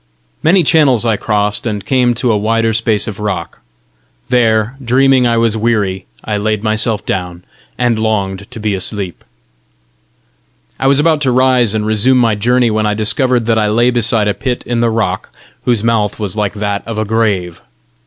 Many channels I crossed, and came to a wider space of rock; there, dreaming I was weary, I laid myself down, and longed to be awake. I was about to rise and resume my journey, when I discovered that I lay beside a pit in the rock, whose mouth was like that of a grave.